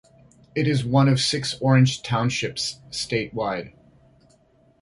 It is one of six Orange Townships statewide.